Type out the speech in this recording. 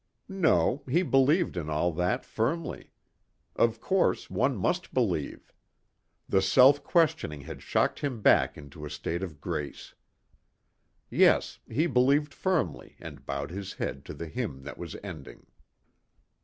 No, he believed in all that firmly. Of course, one must believe. The self questioning had shocked him back into a state of grace. Yes, he believed firmly and bowed his head to the hymn that was ending.